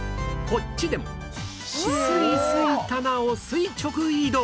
こっちでもスイスイ棚を垂直移動